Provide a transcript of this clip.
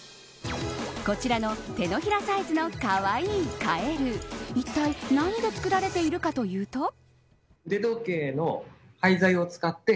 こちらの、手のひらサイズのかわいいカエルいったい何で作られているかというと。